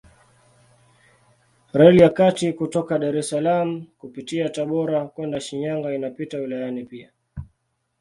Reli ya kati kutoka Dar es Salaam kupitia Tabora kwenda Shinyanga inapita wilayani pia.